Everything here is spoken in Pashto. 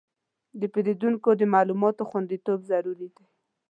د پیرودونکو د معلوماتو خوندیتوب ضروري دی.